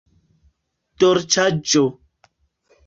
dolĉaĵo